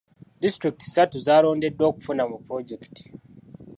Disitulikiti ssatu zaalondeddwa okufuna mu pulojekiti.